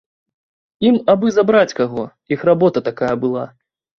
Ім абы забраць каго, іх работа такая была.